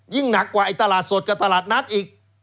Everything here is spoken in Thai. ยิ่งหนักกว่าตลาดสดกับตลาดนักอีก